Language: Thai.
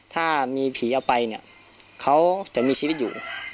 ถ้ามีผีเอาไปเนี่ยเขาจะมีชีวิตอยู่